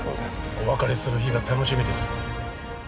お別れする日が楽しみです